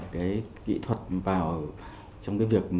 cái kỹ thuật vào trong cái việc